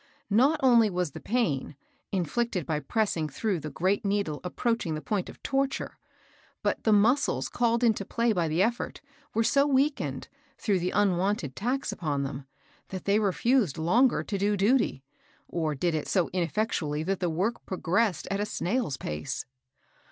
Not only was the pain, inflicted by pressing through the great needle approaching the point of torture, but the muscles called into play by the eflfort were so weakened, through the unwonted tax upon them, that they refused longer to do duty, or did it so in effectually that the work progressed at a snail's pace.